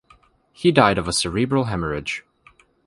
He died of a cerebral hemorrhage.